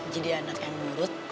jadi anak yang murut